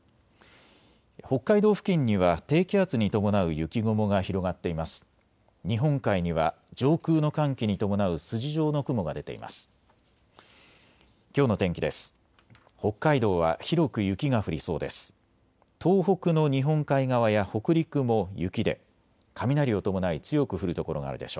北海道付近には低気圧に伴う雪雲が広がっています。